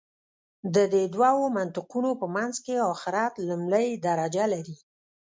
د دې دوو منطقونو په منځ کې آخرت لومړۍ درجه لري.